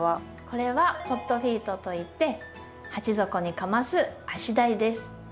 これはポットフィートといって鉢底にかます足台です。